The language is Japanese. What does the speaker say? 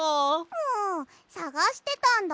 もうさがしてたんだよ。